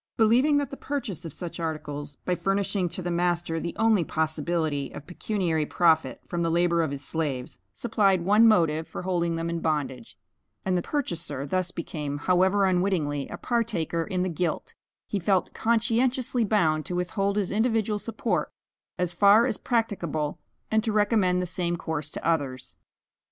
Believing that the purchase of such articles, by furnishing to the master the only possibility of pecuniary profit from the labor of his slaves, supplied one motive for holding them in bondage, and that the purchaser thus became, however unwittingly, a partaker in the guilt, he felt conscientiously bound to withhold his individual support as far as practicable, and to recommend the same course to others.